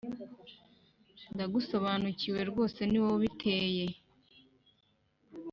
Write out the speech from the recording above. ndagusobanukiwe rwose niwowe ubiteye.